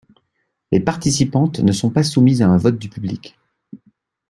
Les participantes ne sont pas soumises à un vote du public.